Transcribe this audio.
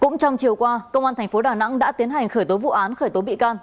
cũng trong chiều qua công an tp đà nẵng đã tiến hành khởi tố vụ án khởi tố bị can